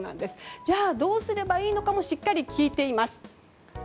じゃあ、どうすればいいのかもしっかり聞いています。